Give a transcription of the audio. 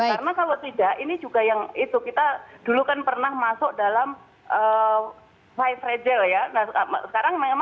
karena kalau tidak ini juga yang itu kita dulu kan pernah masuk dalam lima fragile ya